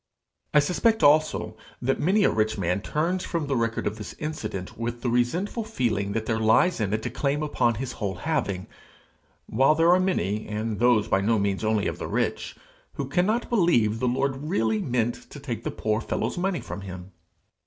I suspect also that many a rich man turns from the record of this incident with the resentful feeling that there lies in it a claim upon his whole having; while there are many, and those by no means only of the rich, who cannot believe the Lord really meant to take the poor fellow's money from him.